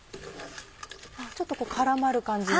ちょっと絡まる感じに。